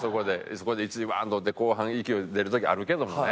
そこで１位バーン取って後半勢い出る時あるけどもね。